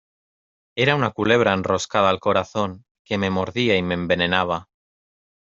era una culebra enroscada al corazón, que me mordía y me envenenaba.